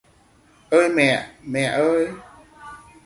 Ơi mẹ... Mẹ ơi!